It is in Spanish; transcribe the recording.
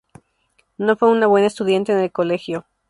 No fue una buena estudiante en el colegio.